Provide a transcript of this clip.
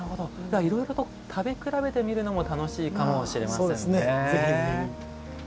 いろいろと食べ比べるのも楽しいかもしれませんね。